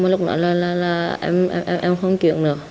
lúc đó là em không chuyển nữa